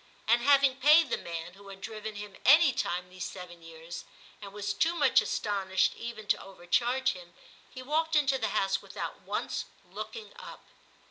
And having paid the man, who had driven him any timfe these seven years, and was too much astonished even to overcharge him, he walked into the house without once looking up.